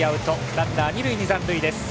ランナー、二塁に残塁です。